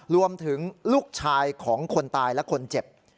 ลูกชายของคนตายและคนเจ็บ